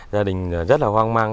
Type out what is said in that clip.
gia đình rất là hoang mang